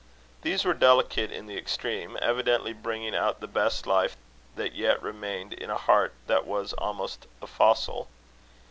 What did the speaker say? These were delicate in the extreme, evidently bringing out the best life that yet remained in a heart that was almost a fossil.